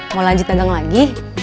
mau lanjut dagang lagi